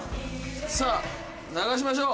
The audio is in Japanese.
さぁ流しましょう。